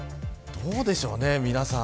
どうでしょうね、皆さん。